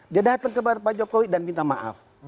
dia datang kepada pak jokowi dan minta maaf